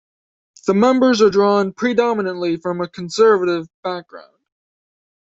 The members are drawn predominantly from a Conservative background.